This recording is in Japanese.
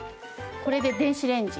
これで電子レンジ。